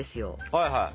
はいはい。